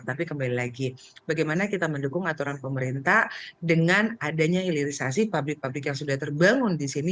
tapi kembali lagi bagaimana kita mendukung aturan pemerintah dengan adanya ilirisasi pabrik pabrik yang sudah terbangun di sini